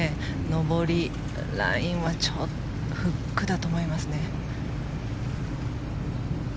上りラインはフックだと思いますね。